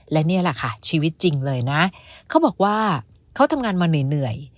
และนี่แหละค่ะชีวิตจริงเลยนะเขาบอกว่าเขาทำงานมาเหนื่อย